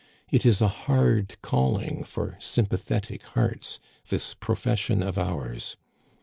It is a hard calling lor sympathetic hearts, this profession of ours.